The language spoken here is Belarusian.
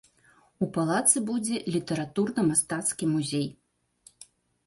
У палацы будзе літаратурна-мастацкі музей.